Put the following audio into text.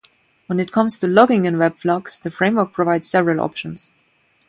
When it comes to logging in WebFlux, the framework provides several options.